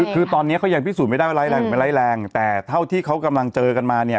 คือตอนนี้เขายังพิสูจน์ไม่ได้ว่าร้ายแรงหรือไม่ร้ายแรงแต่เท่าที่เขากำลังเจอกันมาเนี่ย